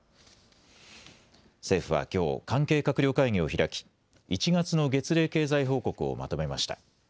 政府はきょう関係閣僚会議を開き１月の月例経済報告をまとめました。